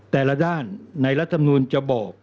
แต่ละด้านในรัฐมนูลจะบอก